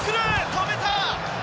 止めた！